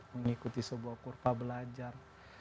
mengikuti sebuah kurpa belajar